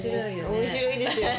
面白いですよね。